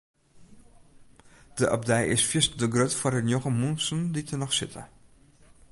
De abdij is fierstente grut foar de njoggen muontsen dy't der noch sitte.